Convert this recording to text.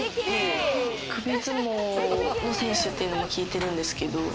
首相撲の選手っていうのを聞いてるんですけど。